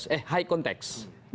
itu artinya tidak langsung